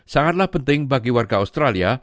sangatlah penting bagi warga australia